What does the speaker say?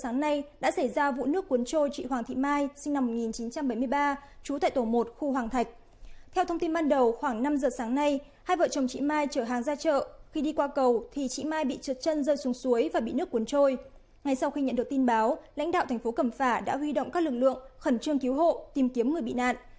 ngay sau khi nhận được tin báo lãnh đạo thành phố cầm phả đã huy động các lực lượng khẩn trương cứu hộ tìm kiếm người bị nạn